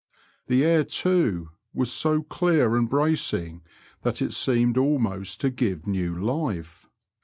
The air, too, was so clear and bracing that it seemed almost to give new life.